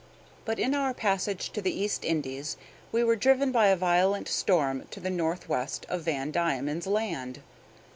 But in our passage to the East Indies we were driven by a violent storm to the north west of Van Diemen's Land.